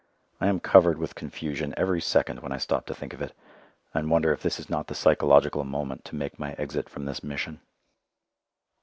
I am covered with confusion every second when I stop to think of it, and wonder if this is not the psychological moment to make my exit from this Mission.